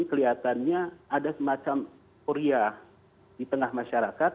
kelihatannya ada semacam kuliah di tengah masyarakat